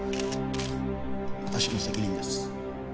私の責任です。